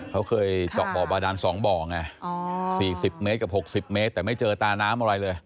เขาเคยเจาะบ่อบาดาน๒บ่อไง๔๐เมตรกับ๖๐เมตรแต่ไม่เจอตาน้ำอะไรเลย